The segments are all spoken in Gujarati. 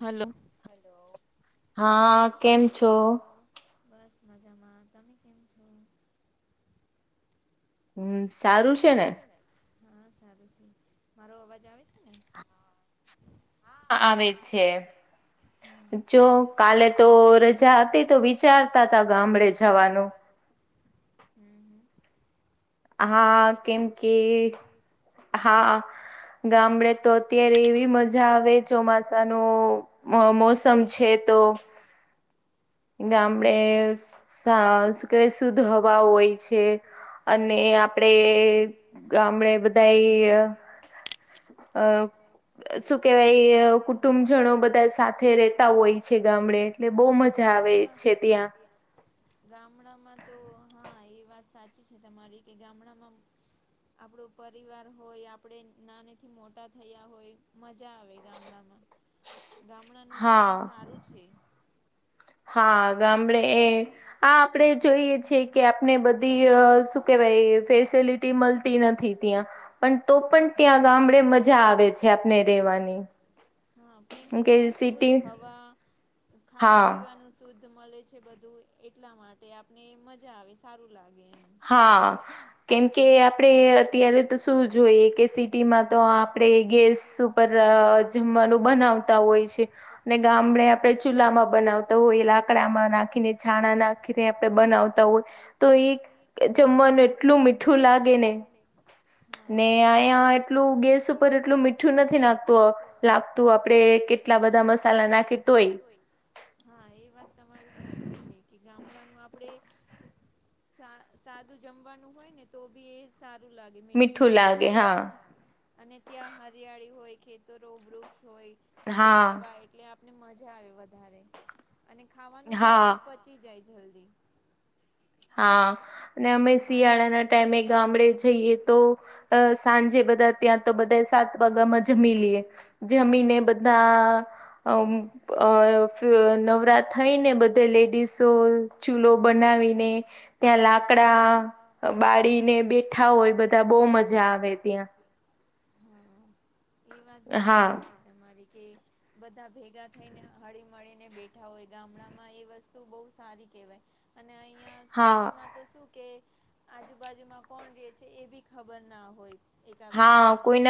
હલો. હા કેમ છો? બસ મજામાં તમે કેમ છો? હમ સારું સારું છે ને હા સારું છે મારો અવાજ આવે છે ને. હા આવે જ છે. હમ્મ જો કાલે તો રજા હતી તો વિચારતા તા ગામડે જવાનું. હા કેમ કે હા ગામડે તો અત્યારે એવી મજા આવે ચોમાસા ન મોસમ છે તો ગામડે શક શુદ્ધ હવા હોય છે અને આપડે ગામડે બધા એ અ શું કેવાય કુટુંબજનો બધા સાથે રહેતા હોય છે ગામડે એટલે બહુ મજા આવે છે ત્યાં ગામડામાં તો હા એ વાત સાચી છે તમારી કે ગામડામાં આપણું પરિવાર હોય આપડે નાનીથી મોટા થયા હોય મજા આવે ગામડામાં ગામડાનું જીવન સારું છે. હા ગામડે એ આ આપડે જોઈએ છીએ કે આપને બધી શું કેવાય એ ફેસેલિટી મલતી નથી ત્યાં પણ તો પણ ત્યાં ગામડે મજા આવે છે. ેવા હા કેમ કે ત્યાં શુદ્ધ હવા ખાવા પીવાનું શુદ્ધ મળે છે બધું એટલા માટે આપને મજા આવે સારું લાગે એમ હા કેમકે આપડે અત્યારે તો શું જોઈએ કે સિટીમાં તો આપડે ગેસ ઉપર જમવાનું બનાવતા હોય છે ને ગામડે આપડણે ચૂલા માં બનાવતા હોય લાકડામાં નાખીને છાણા નાખીને આપણે બનાવતા હોય તો એ જમવાનું એટલું મીઠું લાગે ને ને અયા એટલું ગેસ ઉપર એટલું મીઠું નથી નાખતું લાગતું તું આપડે કેટલા બધા મસાલા નાખી તોય હા એ વાત તમારી સાચી છે કે ગામડાનું આપણેે સા સાદું જમવાનું હોય ને તો બી એ સારું લાગે મીઠું લાગે એ અને ત્યાં હરિયાળી હોય ખેતરો વૃક્ષ હોય શુદ્ધ હવાય એટલે આપને મજા આવે વધારે અને ખાવાનું બી આપણે પચી જાય જલ્દી હા અને અમે શિયાળાના ટાઈમે ગામડે જઈએ તો અ સાંજે બધા ત્યાં તો બધા સાત વગામાં જમી લઈએ જમીને બધા અમ્મ અ નવરા થઈને બધા લેડીસો ચૂલો બનાવીને ત્યાં લાકડા બાળીને બેઠા હોય બધા બહુ મજા આવે ત્યાં એ વાત ભી સાચી છે તમારી કે બધા ભેગા થઈ ને હળી મળીને બેઠા હોય ગામડામાં એ વસ્તુ બહુ સારી કેહેવાય અને અહિયાં સિટીમાં તો શું કે આજુબાજુમાં કોણ રે છે એ બી ખબર ના હોય. એક બીજા કરવા- [unintelligible]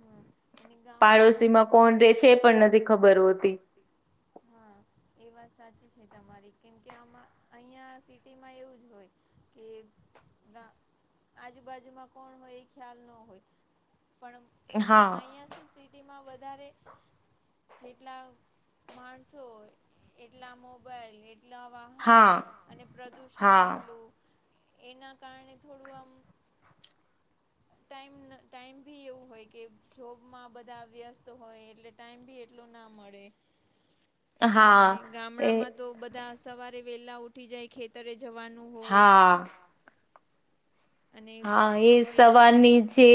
હમ અને ગામડા પાડશમાં કોણ રે છે, એ પણ નથી ખબર હોતી. હા એ વાત સાચી છે. તમારી કેમ કે આમાં અહીંયા સિટીમાં એવું જ હોય કે ગા આજુ બાાજુમાં કોણ હોય એ ખ્યાલ ન હોય પણ અહીંયા શુ શી માં વધારે જેટલા માણસો હોય એટલા મો બાઈલ એટલા વાહન અને પ્રદુષણ એટલું એના કારણે થોડું આમ ટાઈમ ટાઈમ ભી એવું હોય કે જોબમાં બધા વ્યસ્ત હોય એટલે ટાઈમ બી એટલો ના મળે અને ગામડા માં તો બધા સવારે વેલા ઉઠી જાય ખેતરે જવાનું હોય હા એ સવારની જે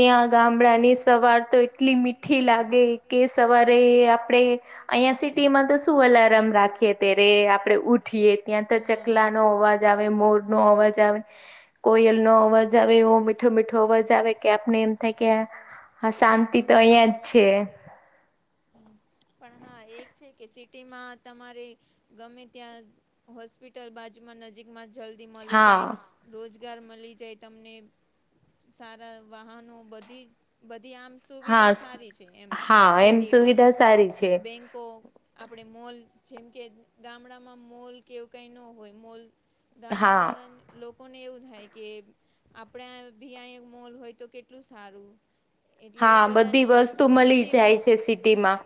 ત્યાં ગામડાની સવાર તો એટલી મીઠી લાગે કે સવારે આપડે અહિયાં સિટી માં તો શું અલારામ રાખીએ તે રે આપડે ત્યાં તો ચકલા નો અવાજ આવે મોર નો અવાજ આવે કોયલ નો અવાજ આવે એવો મીઠો મીઠો અવાજ આવે કે આપને એમ થાય કે. હા શાંતિ તો અહિયાં જ છે. પણ હા એક છે કે સિટીમાં તમારે ગમે ત્યાં હોસ્પિટલ બાજુમાં નજીક માં જલ્દી મલિ જાય રોજ ગાર મળી જાય તમને સારા વાહનો બધી બધી આમ સુવિધા સારી છે એમ સિટીમાં બેંક કો આપણે મોલ જેમ કે ગામડામાં મોલ કેવું કંઈ ન હોય મોલ ગામડા વાળા લોકો ને એવું થાય કે, આપણે ભી મોલ હોય તો કેટલું સારું હા, બધી વસ્તુ મલી જાય છે સિટીમાં.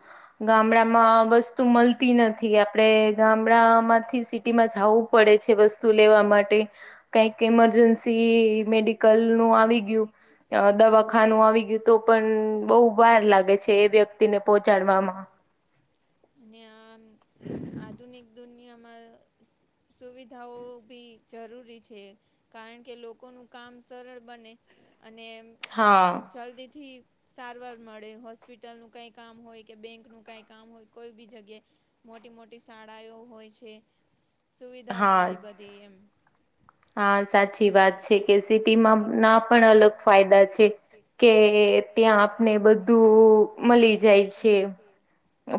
ગામડામાં વસ્ તું મલતી નથી આપણે ગામડામાંથી સિટીમાં જાવુ પડે છે વસ તુ લેવા માટે કઈક ઈમરજન્સી મેડિકલ નું આવી ગયું દવાખાનું આવી ગયું ગયું તો પણ બહુ બાર લાગે છે એ વ્યક્તિ ને પહોંચાડવામાં અને આમ આધુનિક દુનિયામાં સુવિધાઓ બી જરૂરી છે. કારણ કે લોકોનું કામ સરળ બને અને જલ્દીથી સારવાર મળે હોસ્પિટલનું કાઈ કામ હોય કે બેંકનું કાંઈ કામ હોય કોઈ બી જગ્યાએ મોટી મોટી શાળાઓ હોય છે સુવિધા મળે બધી એમ હા સાચી વાત છે કે સિટીમાં ના પણ અલગ ફાયદા છે. કે ત્યાં આપને બધું મળી જાય છે.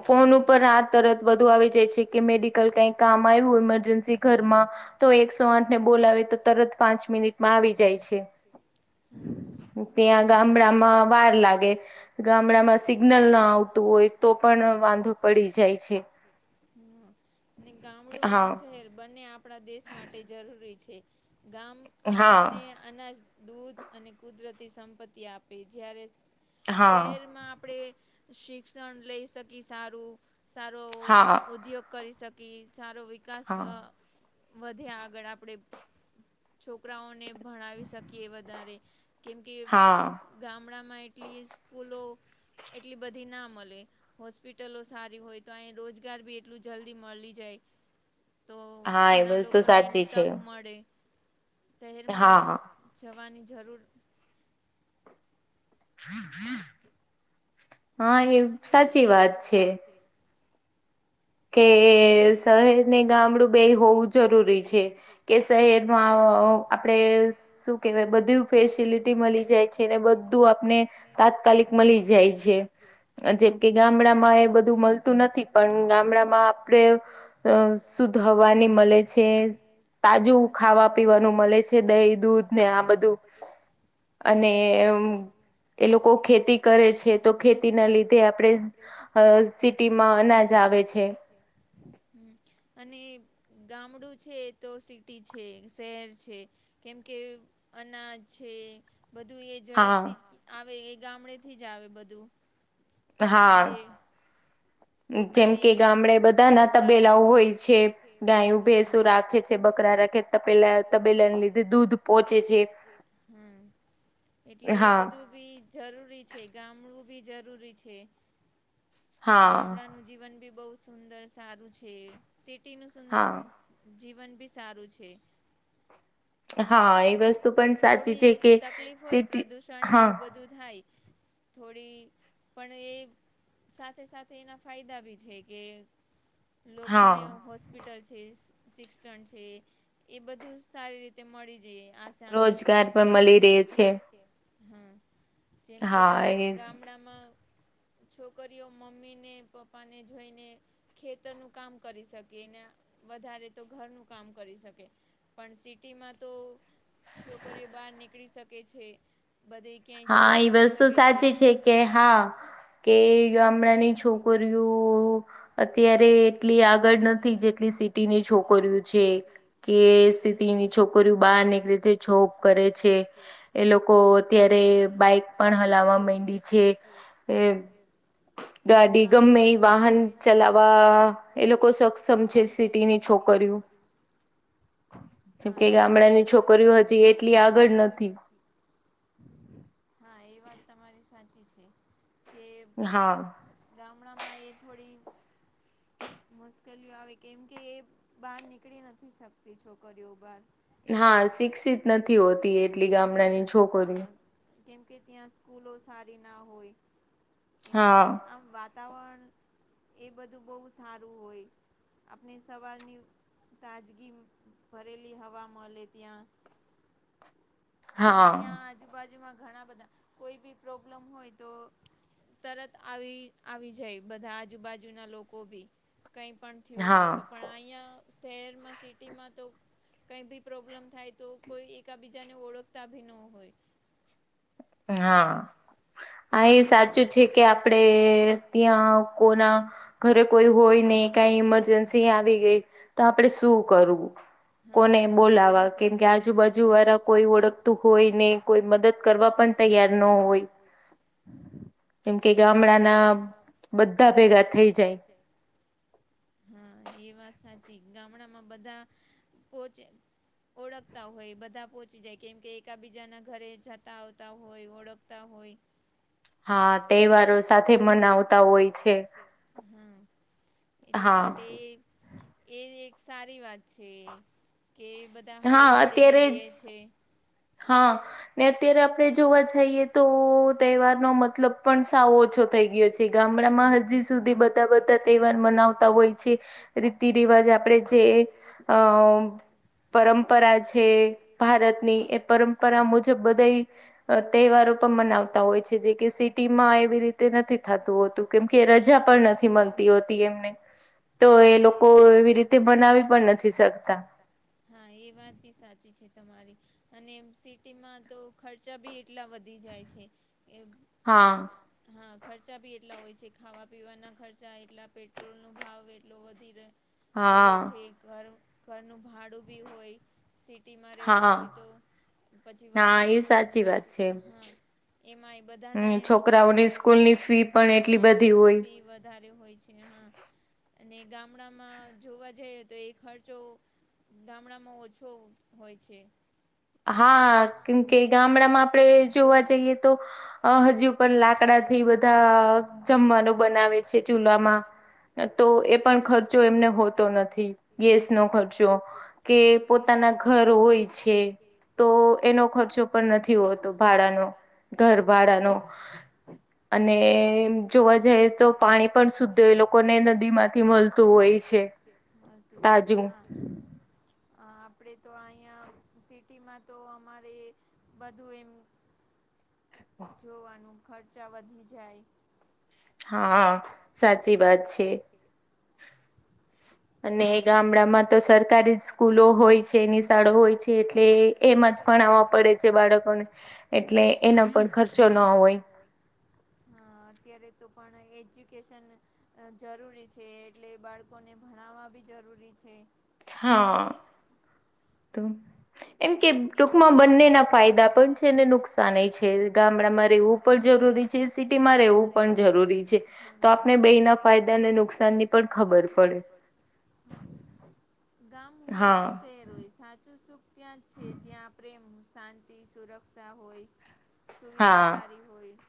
ફોન ઉપર આ તરત બધું આવી જાય છે કે, મેડિકલ કઈ કામ આય્વુ ઇમરજન્સી ઘરમાં તો એકસો આઠને બોલાવે તો તરત પાંચ મિનિટમાં આવી જાય છે. હમ ત્યાં ગામડામાં વાર લાગે, ગામડામાં સિગ્નલ ના આવતું હોય તો પણ વાંધો પડી જાય છે. હમ અને ગામડું અને શહેર બંને આપણા દેશ માટે જરૂરી છે. ગામ આપણને અનાજ, દૂધ અને કુદરતી સંપત્તિ આપે જ્યારે સ્ શહેરમાં આપડે શિક્ષણ લઈ શકી સારું સારો ઉદ્યોગ કરી શકી સારો વિકાસ અ વધે આગળ આપડે છોકરાઓને ભણાવી શકીએ વધારે, કેમ કે ગામડામાં એટલી સ્કૂલો એટલી બધી ના મલે હોસ્પિટલો સારી હોય તો અઈ રોજગાર બી એટલું જલ્દી મલી જાય તો ઘણા લોકોને એની તક મળે. શહેરમાંઅ જવાની જરૂર હા એ સાચી વાત છે. કે શહેર ને ગામડું બે હોવું જરૂરી છે કે, એ સ્ શહેરમાં આપણે શું કહેવાય, બધું ફેસિલિટી મળી જાય છે ને બધું આપણે તાત્કાલિક મલી જાય છે, જેમ કે ગામડામાં એ બધું મળતું નથી પણ ગામ ગામડામાં આપે શુદ્ધ હવાની મળે છે. તાજું ખાવા પીવાનું મલે છે દહી, દૂધ ને આ બધું અને--અમ્ લોકો ખેતી કરે છે, તો ખેતીના લીધે આપડે હ્અ સિટીમાં અનાજ આવે છે. હમ અને ગામડું છે તો સિટી છે, શહેર છે કેમ કે, અનાજ છે બધું એજ ઝડપથી જ્ આવે એ ગામડે થી જ આવે બધું હાઅ જેમ કે ગામડે બધા ના તબેલાઓ હોય છે, ગાયું ભેસો રાખે છે, બકરા રાખે તપેલા તબેલાન લીધે દૂધ પહચે છે. હમ એટલે એ બધું વી જરૂરી છે, ગામડું ભી જરૂરી છે. ગામડાનું જીવન બી બઉ સુંદર સારું છે, સિટીનું સુંઅ જીવન ભી સારું છે. થોડી તકલીફ હોય પ્રદુષણને એવું બધું થાય. થોડી પણ એ સાથે સાથે તો એના ફાયદા બી છે કે લોકોને હોસ હોસ્પિટલ છે શિક્ષણ છે એ બધું સારી રીતે મળી જઈએ. આસાની થી મળી જાય મળી રહે છે. હમ્મ, જેમ કે આમ ગામડામાં છોકરીઓ મમ્મી ને પપ્પા ને ઝોઈને ખેતરનું કામ કરી શકેને વધારે તો ઘરનું કામ કરી શકે. પણ સિટીમાં તો છોકરીઓ બહાર નીકળી શકે છે, બધી હા એ વસ્તુ સાચી છે કે, હા કે ગમણાંની છોકરીઓ અત્યારે એટલી આગળ નથી જેટલી સી ઇની છોકરીઓ છે, કે સીટીની છોકરીઓ બહાર નીકળીતે જોબ કરે છે. એ લોકો અત્યારે બાઈક પણ હલાવવા મંઈડી છે, એ ગાડી ગમે ઈ વાહન ચલાવવા એ લોકો સક્ષમ છે સિટીની છોકરીઓ. [inaudible] હા એ વાત તમારી સાચી છે. [unintelligible] હા એ વાત તમારી સાચી છે કે હા ગામડા માં એ થોડી મુશ્કેલીઓ આવે કેમ કે એ બહાર નીકળી નથી શકતી છોકરીઓ બહાર હા શિક્ષિત નથી હોતી એટલી ગામડાની છોકરીઓ કેમકે ત્યાં સ્કૂલો સારી ના હોય એના માટે આમ વાતાવરણ એ બધું બહુ સારું હોય આપણે સવારની તાજગી ભરેલી હવા મળે ત્યાં અને ત્યાં આજુ બાાજુમાં ઘણા બધા કોઈ બી પ્રોબ્લેમ હોય તો તરત આવી આવી જાય બધા આજુબાજુના લોકો ભી કંઈ પણ થયું હોય તો પણ અહીંયા શહેરમાં સિટીમાં તો કઈ ભી પ્રોબ્લેમ થાય તો કોઈ એકા બીજાને ઓળખતા ભી ન હોય હા. આ એ સાચું છે કે આપડે ત્યાં કોના ઘરે કોઈ હોય નઈ કઈ ઈમરજન્સી આવી ગઈ તો આપણેે શું કરવું. કોને બોલાવા કેમકે આજુબાજુ વાળા કોઈ ઓળખતું હોય ને કોઈ મદદ કરવા પણ પણ તૈયાર ન હોય કેમ કે ગામડાના બધા ભેગા થઈ જાય. હા એ વાત સાચી ગામડામાં બધા પોચે ઓળખતા હોય બધા પહોંચી જાય કેમ કે એકાબીજાના ઘરે જતા આવતા હોય ઓળખતા હોય હા તહેવારો સાથે મનાવતા હોય છે હમ્મ. એટલા માટે એ એક સારી વાત છે કે બધ દહાડી મળીને રે છે. હા ને અત્યારે આપણે જોવા જઈએ તો તહેવા નો મતલબ પણ સાવ ઓછો થઈ ગયો છે ગામડામાં હજી સુધી બધા બધા તહેવાર મનાવતા હોય છે રીતિ રિવાજ આપણેે જે અ પરંપરા છે ભારતની એ પરંપરા મુજબ બધા તહેવારો પણ મનાવતા હોય છે. જેથી સિટી માં એવી રીતે નથી થતું હોતું કેમ કે રજા પણ નથી મળતી હોતી એમને તો એ લોકો એવી રીતે બનાવી પણ નથી શકતા. હા એ વાત ભી સાચી છે તમારી અને સિટીમાં તો ખર્ચા બી એટલા વધી જાય છે. એમ હા. હા ખર્ચા ભી એટલા હોય છે ખાવા પીવાના ખર્ચા એટલા પેટ્રોલનોો ભાવ એટલો વધી રહે રહ્યો છે ઘર ઘરનું ભાડું બી હોય સિટીમાં રેતા હોય તો પછી વાહન સાચી વાત હ એમાં બધાના છોકરાઓની સ્કૂલ ની ફીમાં બધીી વધારે હોય છે હા અને ગામડામાં જોવા જઈએ તો એ ખર્ચો ગામડામાં ઓછો હોય છે. હા કેમકે ગામડામાં આપણે જોવા જઈએ તો હજુ પણ લાકડા લાકડાથી બધા જમવાનું બનાવે છે ચૂલામાં તો એ પણ ખર્ચો એમને હોતો નથી ગેસ નો ખર્ચો કે પોતાના ઘર હોય છે તો ઓ એનો ખર્ચો પણ નથી હોતો ભાડાનો ઘર ભાડાનો અને જોવા જઈ તો પાણી પણ શુદ્ધ લોકોને નદી માંથી મળતું હોય છે. મળતું હોય છે હ આપડે તો અહિયાં સિટીમાં તો અમારે બધું એમ જોવાનું ખર્ચા વધી જાય. હા સાચી વાત છે. અને ગામડામાં તો સરકારી સ્કૂલો હોય છે એની શાળા હોય છે એટલે એમાં જ ભ આવવા પડે છે બાળકોને એટલે એના પણ ખર્ચો ના હોય હા અત્યારે તો પણ એજ્યુકેશન અ જરૂરી છે એટલે બાળકોને ભણાવવા બી જરૂરી છે હા તોું એમ કે ટૂંકમાં બંનેના ફાયદા પણ છે ને નુકસાન છે ગામડામાંરે એવું જરૂરી છે સિટી માં રહેવું પણ જરૂરી છે તો આપણે બે ના ફાયદાને નુકસાનની પણ ખબર પડે હા ગામ હોય કે શહેર હોય સાચું સુખ ત્યાં છે જ્યાં પ્રેમ શાંતિ સુરક્ષા હોય સુવિધા સારી હોય-